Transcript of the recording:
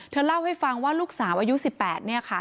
เล่าให้ฟังว่าลูกสาวอายุ๑๘เนี่ยค่ะ